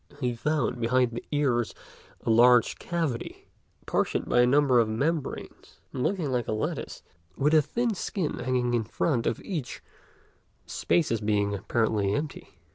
He found behind the ears a large cavity, partitioned by a number of membranes, and looking like a lattice, with a thin skin hanging down in front of each, the spaces being apparently empty.